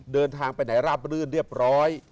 เดินทางไปไหนราบรื่นเรียบร้อย